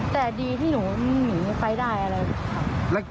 แต่ดีที่หนูหนีไปได้อะไรค่ะ